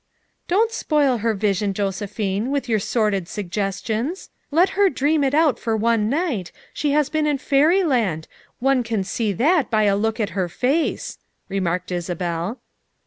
"Don't spoil her vision, Josephine, with your sordid suggestions. Let her dream it out for one night; she has been in fairyland; one can FOUE MOTHERS AT CHAUTAUQUA 99 see that by a look at her face," remarked Isabel.